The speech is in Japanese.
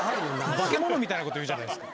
化け物みたいなこと言うじゃないですか。